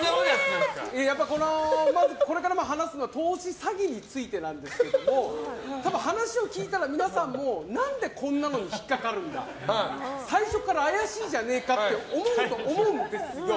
まず、これから話すのは投資詐欺についてですがただ、話を聞いたら皆さんも何でこんなのに引っかかるんだ最初から怪しいじゃねえかって思うと思うんですよ。